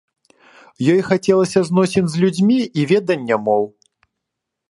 Ёй хацелася зносін з людзьмі і ведання моў.